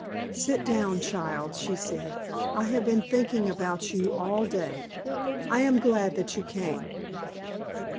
"Sit down, child," she said. "I have been thinking about you all day. I am glad that you came."